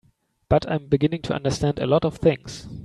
But I'm beginning to understand a lot of things.